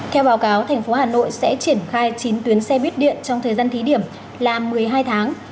theo báo cáo thành phố hà nội sẽ triển khai chín tuyến xe buýt điện trong thời gian thí điểm là một mươi hai tháng